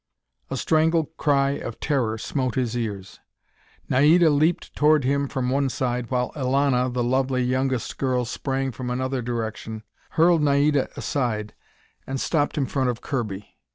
A strangled cry of terror smote his ears. Naida leaped toward him from one side, while Elana, the lovely youngest girl, sprang from another direction, hurled Naida aside, and stopped in front of Kirby.